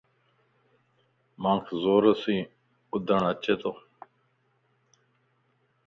مانک زورسين ٻڌن اچيتو